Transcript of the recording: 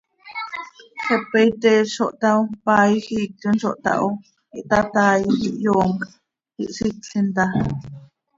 Xepe iteel zo htaao, paaij iictim zo htaho, ihtataaij, ihyoomjc, ihsitlim taa.